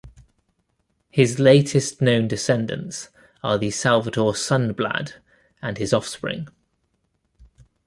His latest known descendants are the Salvador Sundblad and his offspring.